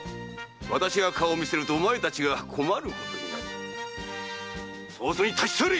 私が顔を見せるとお前たちが困ることになる早々に立ち去れ！